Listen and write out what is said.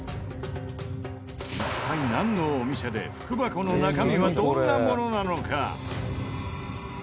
一体なんのお店で福箱の中身はどんなものなのか？